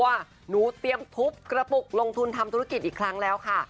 หนูเตรียมทุบกระปุกลงทุนทำธุรกิจอีกครั้งแล้วค่ะ